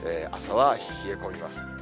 朝は冷え込みます。